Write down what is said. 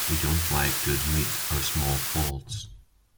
We don't like to admit our small faults.